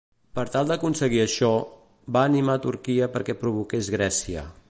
Per tal d'aconseguir això, va animar Turquia perquè provoqués Grècia.